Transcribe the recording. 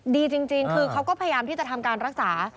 ดีจริงคือเขาก็พยายามที่จะทำการรักษา